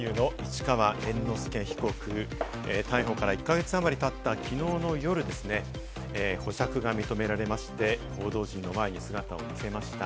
歌舞伎俳優の市川猿之助被告、逮捕から１か月あまり経ったきのうの夜ですね、保釈が認められまして、報道陣の前に姿を見せました。